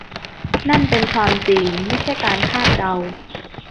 นั่นเป็นความจริงไม่ใช่การคาดเดา